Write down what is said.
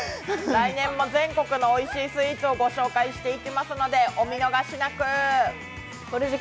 来年も全国のおいしいスイーツをご紹介していきますので、お見逃しなく。